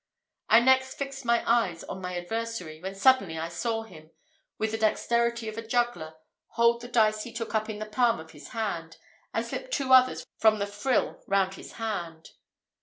I next fixed my eyes on my adversary, when suddenly I saw him, with the dexterity of a juggler, hold the dice he took up in the palm of his hand, and slip two others in from the frill round his hand.